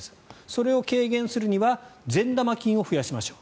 それを軽減するには善玉菌を増やしましょう。